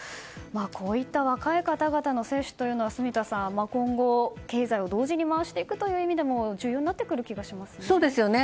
こういった若い方々の接種というのは住田さん、今後、経済を同時に回していくという意味でも重要になってくる気がしますね。